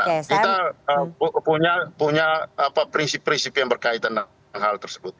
kita punya prinsip prinsip yang berkaitan dengan hal tersebut